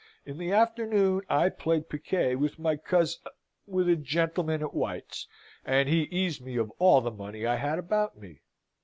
In the afternoon I played piquet with my cous with a gentleman at White's and he eased me of all the money I had about me.